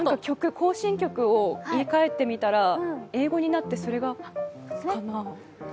行進曲を言い換えてみたら、英語になって、それかな？